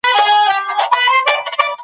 که زده کوونکی هڅه وکړي، ناکامي دوام نه کوي.